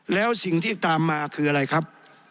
แล้วสิ่งที่ตามมาคืออะไรครับ